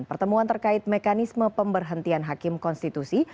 pertemuan terkait mekanisme pemberhentian hakim konstitusi